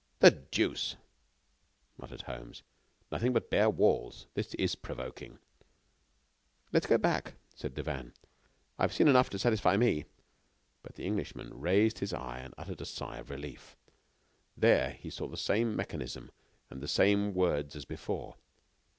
"The deuce!" muttered Holmes, "nothing but bare walls. This is provoking." "Let us go back," said Devanne. "I have seen enough to satisfy me." But the Englishman raised his eye and uttered a sigh of relief. There, he saw the same mechanism and the same word as before.